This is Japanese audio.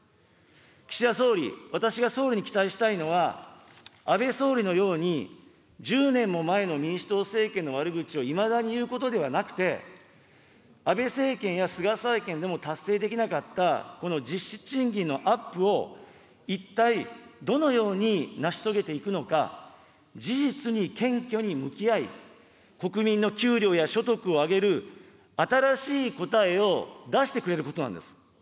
岸田総理、私が総理に期待したいのは、安倍総理のように、１０年も前の民主党政権の悪口をいまだに言うことではなくて、安倍政権や菅政権でも達成できなかったこの実質賃金のアップを、一体、どのように成し遂げていくのか、事実に謙虚に向き合い、国民の給料や所得を上げる新しい答えを出してくれることなんです。